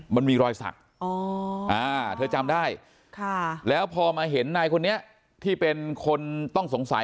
มันมีรอยสักเธอจำได้แล้วพอมาเห็นนายคนนี้ที่เป็นคนต้องสงสัย